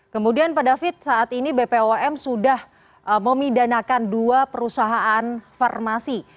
kemudian pak david saat ini bpom sudah memidanakan dua perusahaan farmasi